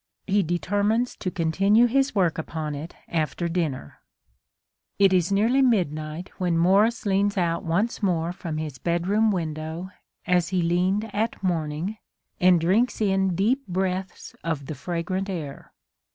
He determines to continue his work upon it after dinner It is nearly midnight when Morris leans out once more from his bedroom window, as he leaned at morning, and drinks in deep breaths of the fragrant air.